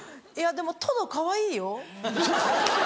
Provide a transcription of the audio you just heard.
いやでもトドかわいいよ。